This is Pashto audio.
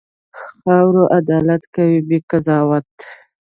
خاوره عدالت کوي، بې قضاوت.